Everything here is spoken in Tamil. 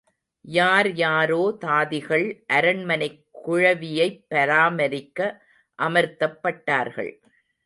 யார் யாரோ தாதிகள் அரண்மனைக் குழவியைப் பராமரிக்க அமர்த்தப்பட்டார்கள்.